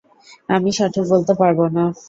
আমি সঠিক বলতে পারবনা।